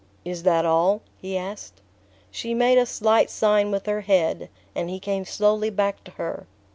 "Is that all?" he asked. She made a slight sign with her head and he came slowly back to her.